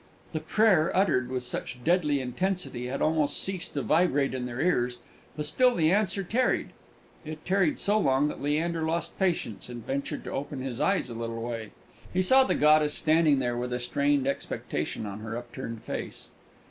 The prayer uttered with such deadly intensity had almost ceased to vibrate in their ears, but still the answer tarried; it tarried so long that Leander lost patience, and ventured to open his eyes a little way. He saw the goddess standing there, with a strained expectation on her upturned face.